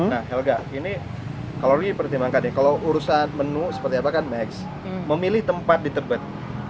nah helga ini kalau dipertimbangkan nih kalau urusan menu seperti apa kan max memilih tempat di tebet